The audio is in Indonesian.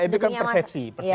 itu kan persepsi